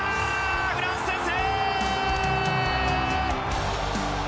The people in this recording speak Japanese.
フランス先制！